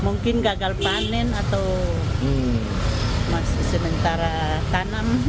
mungkin gagal panen atau sedang tanam